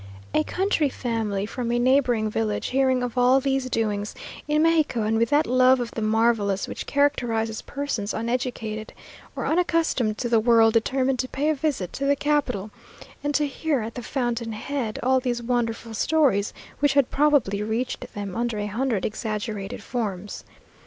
A country family from a neighbouring village, hearing of all these doings in Mexico, and with that love of the marvellous which characterizes persons uneducated, or unaccustomed to the world, determined to pay a visit to the capital, and to hear at the fountain head, all these wonderful stories, which had probably reached them under a hundred exaggerated forms.